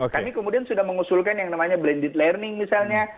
kami kemudian sudah mengusulkan yang namanya blended learning misalnya